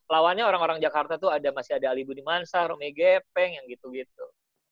lawannya orang orang jakarta itu masih ada alibuni mansar romy gepeng yang gitu gitu